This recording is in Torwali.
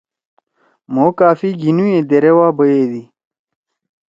مھو کافی گھینُو یے دیرے وا بیَدی۔